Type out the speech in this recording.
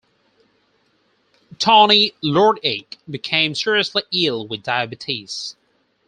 Toni Iordache became seriously ill with diabetes.